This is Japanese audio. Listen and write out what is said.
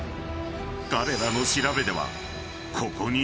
［彼らの調べでは］